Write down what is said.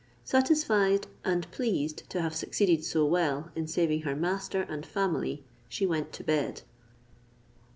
Satisfied and pleased to have succeeded so well, in saving her master and family, she went to bed.